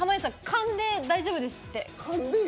勘で大丈夫ですって。